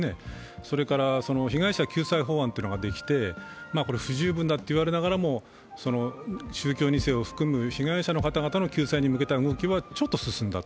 それから、被害者救済法案ができて不十分だと言われながらも被害者の方々の救済に向けてはちょっと進んだと。